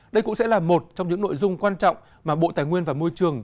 đây cũng sẽ là một trong những nội dung quan trọng mà bộ tài nguyên và môi trường